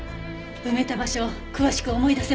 埋めた場所詳しく思い出せますか？